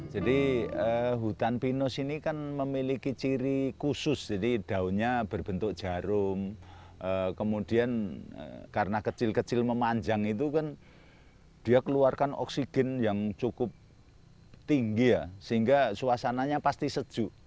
jadi hutan pinus ini kan memiliki ciri khusus jadi daunnya berbentuk jarum kemudian karena kecil kecil memanjang itu kan dia keluarkan oksigen yang cukup tinggi ya sehingga suasananya pasti sejuk